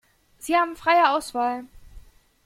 Sie haben freie Auswahl.